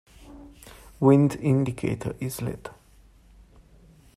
Wind indicator is lit.